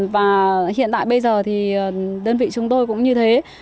và hiện tại bây giờ thì đơn vị chúng tôi cũng như thế